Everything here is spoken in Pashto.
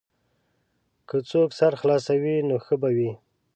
که څوک سر خلاصوي نو ښه به وي.